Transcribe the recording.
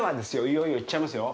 いよいよいっちゃいますよ。